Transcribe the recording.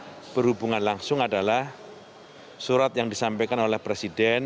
tapi yang menurut saya berhubungan langsung adalah surat yang disampaikan oleh presiden